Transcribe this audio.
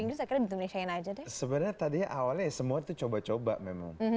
bisa keren indonesia yang aja deh sebenarnya tadinya awalnya semua itu coba coba memang